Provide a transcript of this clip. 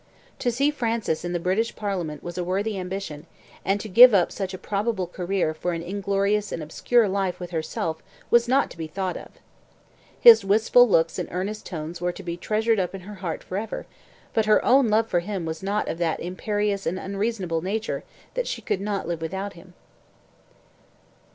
To see Francis in the British Parliament was a worthy ambition, and to give up such a probable career for an inglorious and obscure life with herself was not to be thought of. His wistful looks and earnest tones were to be treasured up in her heart for ever; but her own love for him was not of that imperious and unreasonable nature that she could not live without him.